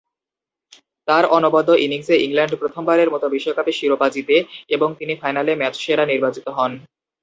তার অনবদ্য ইনিংসে ইংল্যান্ড প্রথমবারের মত বিশ্বকাপের শিরোপা জিতে এবং তিনি ফাইনালে ম্যাচ সেরা নির্বাচিত হন।